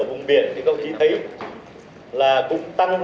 một thành tiệu là cơ bản